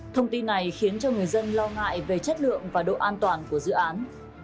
thông tin này khiến cho người dân lo ngại về chất lượng và độ an toàn của dự án